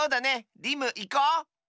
リムいこう！